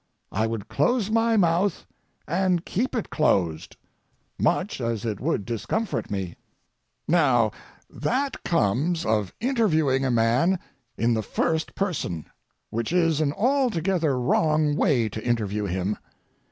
I would close my mouth and keep it closed, much as it would discomfort me. Now that comes of interviewing a man in the first person, which is an altogether wrong way to interview him.